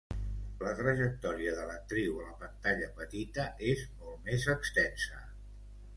La trajectòria de l'actriu a la pantalla petita és molt més extensa.